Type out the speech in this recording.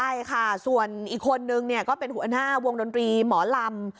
ใช่ค่ะส่วนอีกคนนึงก็เป็นหัวหน้าวงดนตรีหมอลำ